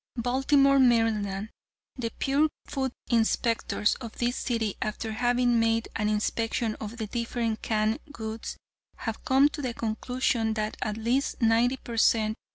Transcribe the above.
"Baltimore, Md.: The pure food inspectors of this city after having made an inspection of the different canned goods, have come to the conclusion that at least ninety per cent.